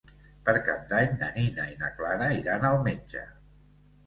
Per Cap d'Any na Nina i na Clara iran al metge.